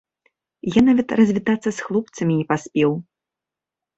Я нават развітацца з хлопцамі не паспеў.